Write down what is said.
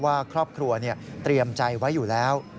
ว่าครอบครัวเตรียมใจไว้อยู่แล้ว